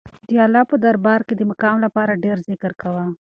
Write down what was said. د الله په دربار کې د مقام لپاره ډېر ذکر کوه.